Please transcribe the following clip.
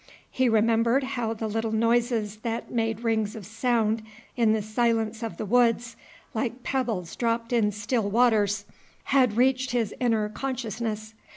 He remembered how the little noises that made rings of sound in the silence of the woods, like pebbles dropped in still waters, had reached his inner consciousness.